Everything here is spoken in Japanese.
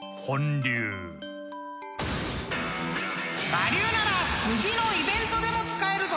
［我流なら次のイベントでも使えるぞ！］